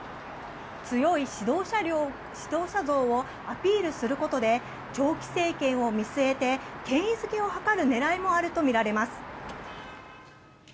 強い指導者像をアピールすることで長期政権を見据えて権威づけを図る狙いもあるとみられます。